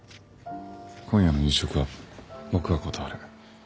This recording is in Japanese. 今夜の夕食は僕が断る。